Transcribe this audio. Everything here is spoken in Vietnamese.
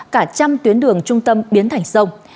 cả trăm tuyến đường trung tâm biến thành sông